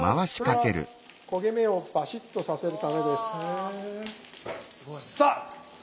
これは焦げ目をバシッとさせるためです。さあ！